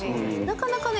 なかなかね